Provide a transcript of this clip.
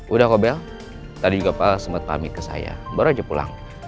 udah kok bel tadi juga pak sempet pamit ke saya baru aja pulang